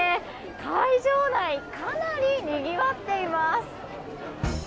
会場内かなりにぎわっています。